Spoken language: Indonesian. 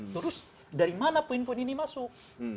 terus dari mana poin poin ini masuk